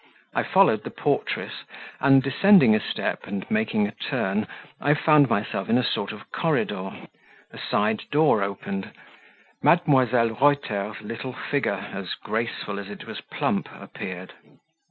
I followed the portress, and descending a step, and making a turn, I found myself in a sort of corridor; a side door opened, Mdlle. Reuter's little figure, as graceful as it was plump, appeared.